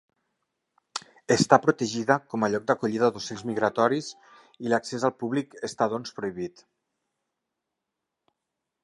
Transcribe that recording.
Està protegida com a lloc d'acollida d'ocells migratoris i l'accés al públic està doncs prohibit.